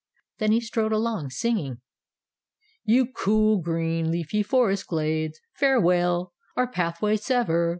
Then he strode along, singing: "You cool, green, leafy forest glades, Farewell, our pathways sever.